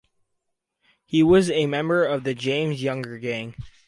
He was a member of the James-Younger Gang.